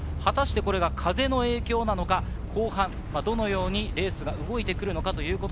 これが風の影響なのか、後半どのようにレースが動いてくるのか。